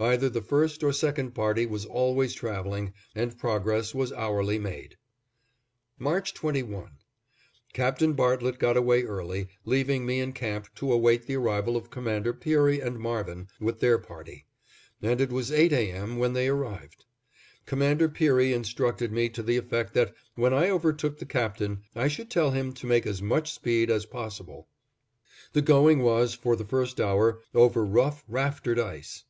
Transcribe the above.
Either the first or second party was always traveling, and progress was hourly made. March 21: Captain Bartlett got away early, leaving me in camp to await the arrival of Commander Peary and Marvin, with their party; and it was eight A. M. when they arrived. Commander Peary instructed me to the effect that, when I overtook the Captain, I should tell him to make as much speed as possible. The going was, for the first hour, over rough, raftered ice.